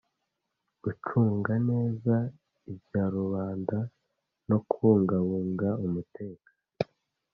gucunga neza ibya rubanda no kubungabunga umutekano